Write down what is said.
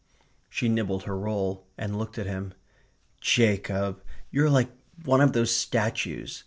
She nibbled her roll and looked at him. "Jacob. You're like one of those statues....